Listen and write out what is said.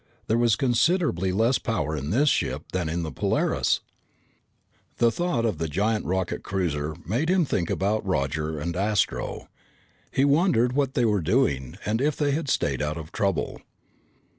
There was considerably less power in this ship than in the Polaris! The thought of the giant rocket cruiser made him think about Roger and Astro. He wondered what they were doing and if they had stayed out of trouble.